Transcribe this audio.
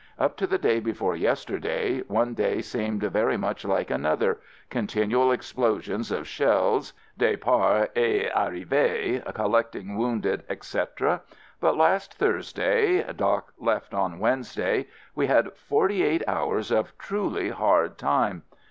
Up to the day before yesterday, one day seemed very much like another — continual explosions of shells — "departs et arrives" — collecting wounded, etc. ; but last Thursday (" Doc " left on Wednesday) we had forty eight hours of truly hard time.